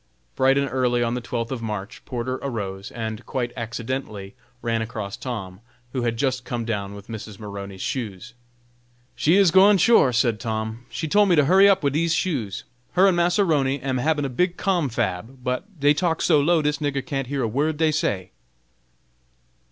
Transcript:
Bright and early on the twelfth of March, Porter arose, and, quite accidentally, ran across Tom, who had just come down with Mrs. Maroney's shoes. "She is gwine, sure," said Tom! "she tole me to hurry up wid dese shoes. Her and Massa 'Roney am habin a big confab, but dey talk so low, dis nigger can't hear a word dey say."